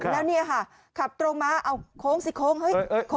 แล้วเนี่ยค่ะขับตรงมาเอาโค้งสิโค้งเฮ้ย